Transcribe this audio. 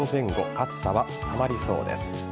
暑さは収まりそうです。